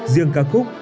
riêng ca khúc